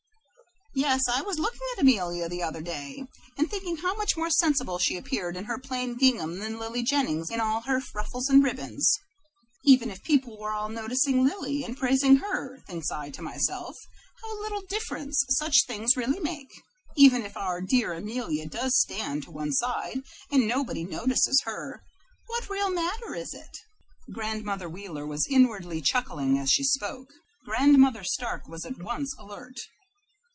"Yes, I was looking at Amelia the other day, and thinking how much more sensible she appeared in her plain gingham than Lily Jennings in all her ruffles and ribbons. Even if people were all noticing Lily, and praising her, thinks I to myself, 'How little difference such things really make. Even if our dear Amelia does stand to one side, and nobody notices her, what real matter is it?'" Grandmother Wheeler was inwardly chuckling as she spoke. Grandmother Stark was at once alert.